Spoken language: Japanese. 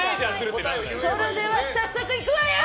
それでは早速いくわよ！